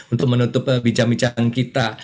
untuk menutup pembicaraan kita